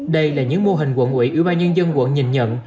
đây là những mô hình quận ủy ủy ban nhân dân quận nhìn nhận